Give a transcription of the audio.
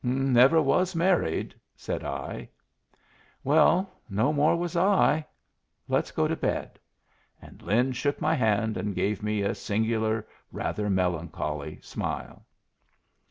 "Never was married," said I. "Well no more was I. Let's go to bed." And Lin shook my hand, and gave me a singular, rather melancholy smile.